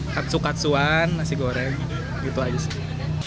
katsu katsu an nasi goreng gitu aja sih